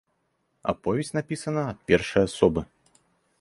Аповесць напісана ад першай асобы.